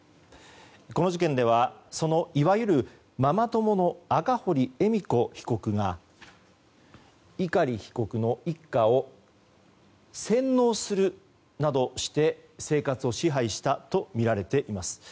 この事件では、いわゆるママ友の赤堀恵美子被告が碇被告の一家を洗脳するなどして生活を支配したとみられています。